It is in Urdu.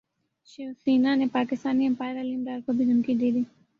شیو سینا نے پاکستان امپائر علیم ڈار کو بھی دھمکی دے دی